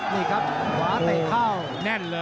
นี่ครับขวาเตะเข้า